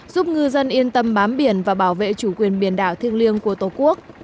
giúp ngư dân yên tâm bám biển và bảo vệ chủ quyền biển đảo thiêng liêng của tổ quốc